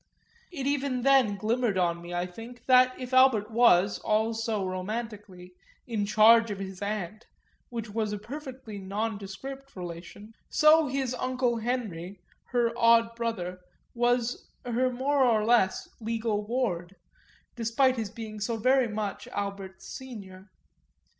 It even then glimmered on me, I think, that if Albert was, all so romantically, in charge of his aunt which was a perfectly nondescript relation so his uncle Henry, her odd brother, was her more or less legal ward, not less, despite his being so very much Albert's senior.